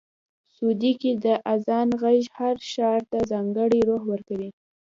سعودي کې د اذان غږ هر ښار ته ځانګړی روح ورکوي.